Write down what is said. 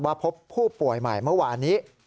พบผู้ป่วยใหม่เมื่อวานนี้